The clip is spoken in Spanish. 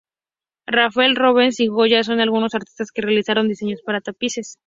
Rafael, Rubens y Goya son algunos artistas que realizaron diseños para tapices.